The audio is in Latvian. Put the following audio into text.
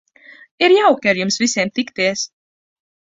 Ir jauki ar jums visiem tikties.